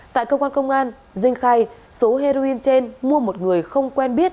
tại cơ quan công an dinh khai số heroin trên mua một người không quen biết